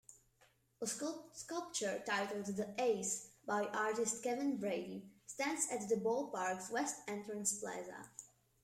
A sculpture titled "The Ace"-by artist Kevin Brady-stands at the ballpark's west entrance plaza.